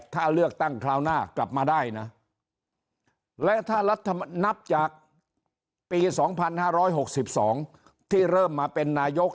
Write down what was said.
ถ้าเลือกตั้งคราวหน้ากลับมาได้นะและถ้ารัฐนับจากปี๒๕๖๒ที่เริ่มมาเป็นนายก